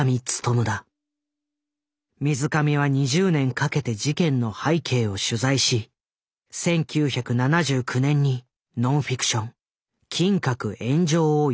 水上は２０年かけて事件の背景を取材し１９７９年にノンフィクション「金閣炎上」を世に問うた。